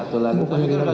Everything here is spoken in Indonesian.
tapi ada pak pak teh bisa